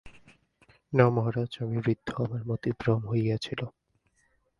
না মহারাজ, আমি বৃদ্ধ, আমার মতিভ্রম হইয়াছিল।